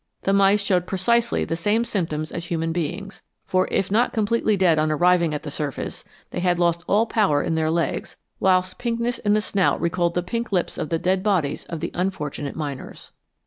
The mice showed precisely the same symptoms as human beings ; for, if not completely dead on arriving at the surface, they had lost all power in their legs, whilst pinkness in the snout recalled the pink lips of the dead bodies of the unfortunate miners.""